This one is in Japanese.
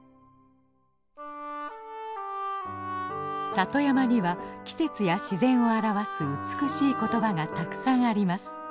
里山には季節や自然を表す美しい言葉がたくさんあります。